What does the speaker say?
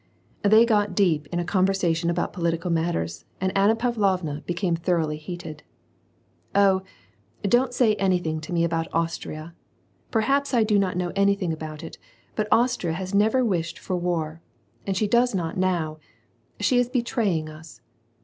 They got deep in a conversation about political matters, and Anna Pavlovna became thoroughly heated, —" Oh ! don't say anything to me about Austria. Perhaps I do not know anything about it, but Austria has never wished for war, and she does not now. She is betraying us.